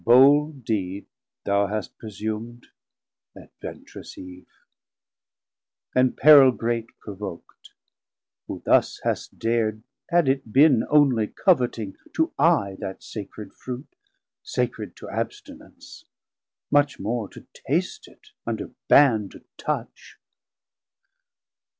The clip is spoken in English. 920 Bold deed thou hast presum'd, adventrous Eve, And peril great provok't, who thus hast dar'd Had it bin onely coveting to Eye That sacred Fruit, sacred to abstinence, Much more to taste it under banne to touch.